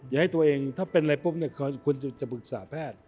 อย่าให้ตัวเองถ้าเป็นอะไรปุ๊บคุณจะปรึกษาแพทย์